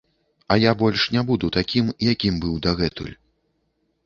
А я больш не буду такiм, якiм быў дагэтуль...